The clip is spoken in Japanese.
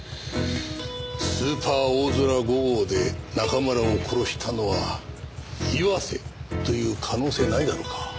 スーパーおおぞら５号で中村を殺したのは岩瀬という可能性ないだろうか？